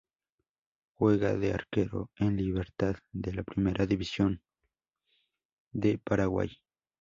Juega de arquero en Libertad de la Primera División de Paraguay.